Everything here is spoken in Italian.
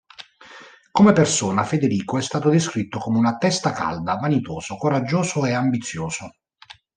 Come persona Federico è stato descritto come una testa calda, vanitoso, coraggioso e ambizioso.